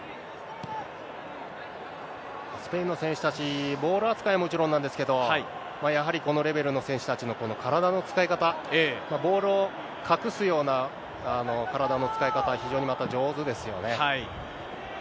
スペインの選手たち、ボール扱いはもちろんなんですけど、やはりこのレベルの選手たちの、この体の使い方、ボールを隠すような体の使い方、非常にまた上手ですよね。